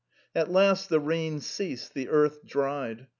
At last the rain stopped. The earth dried up.